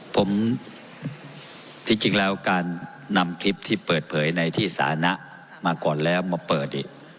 ผมที่จริงแล้วการนำคลิปที่เปิดเผยในที่สานะมาก่อนแล้วมาเปิดเนี่ย